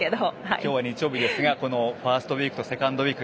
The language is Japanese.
今日は日曜日ですがこのファーストウイークとセカンドウイーク。